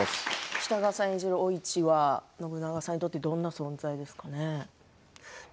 北川さん演じる、お市は信長さんにとってどうですかね。